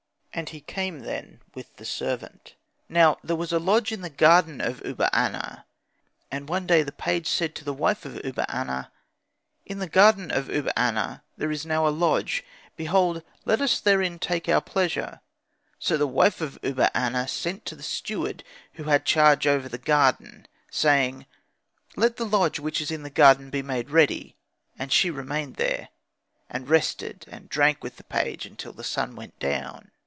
"And he came then with the servant. Now there was a lodge in the garden of Uba aner; and one day the page said to the wife of Uba aner, 'In the garden of Uba aner there is now a lodge; behold, let us therein take our pleasure.' So the wife of Uba aner sent to the steward who had charge over the garden, saying, 'Let the lodge which is in the garden be made ready.' And she remained there, and rested and drank with the page until the sun went down.